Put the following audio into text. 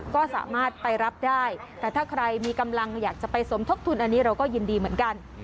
ก็สามารถไปรับได้แต่ถ้าใครมีกำลังอยากจะไปสมทบทุนอันนี้เราก็ยินดีเหมือนกัน